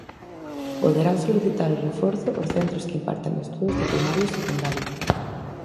Poderán solicitar o reforzo os centros que impartan estudos de primaria ou secundaria.